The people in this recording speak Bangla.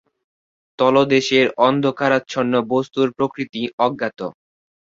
তলদেশের অন্ধকারাচ্ছন্ন বস্তুর প্রকৃতি অজ্ঞাত।